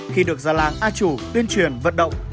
khi được ra làng a chủ tuyên truyền vận động